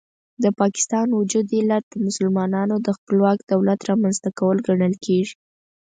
د پاکستان وجود علت د مسلمانانو د خپلواک دولت رامنځته کول ګڼل کېږي.